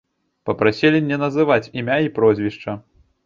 Папрасілі не называць імя і прозвішча.